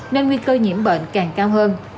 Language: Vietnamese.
nên nguy cơ nhiễm bệnh càng cao hơn